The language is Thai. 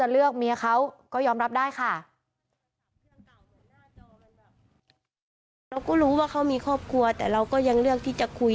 เราก็รู้ว่าเขามีครอบครัวแต่เราก็ยังเลือกที่จะคุย